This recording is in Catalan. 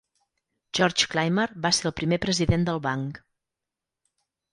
George Clymer va ser el primer president del banc.